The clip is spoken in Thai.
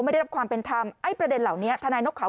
ไม่ได้รับความเป็นธรรมไอ้ประเด็นเหล่านี้ทนายนกเขา